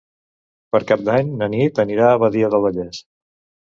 Per Cap d'Any na Nit anirà a Badia del Vallès.